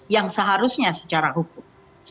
yang seharusnya secara hukum